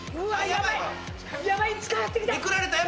ヤバい近寄ってきた！